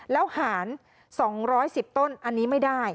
แล้วหาร๒๑๐ต้นอันนี้ไม่ได้